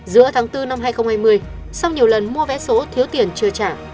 giữa tháng bốn năm hai nghìn hai mươi sau nhiều lần mua vé số thiếu tiền chưa trả